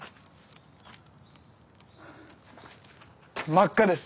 真っ赤です。